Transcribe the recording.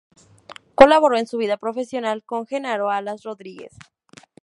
Colaboró en su vida profesional con Genaro Alas Rodríguez.